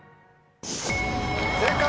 正解！